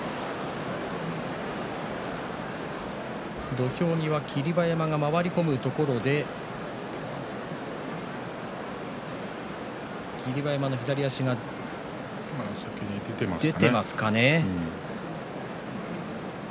土俵際、霧馬山が回り込むところで先に出ていますね。